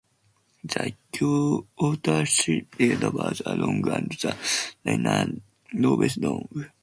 The outer sepals lobes are long and the inner lobes long.